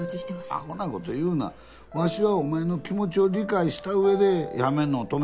アホなこと言うなわしはお前の気持ちを理解した上で辞めんのを止め